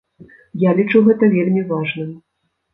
Я лічу гэта вельмі важным.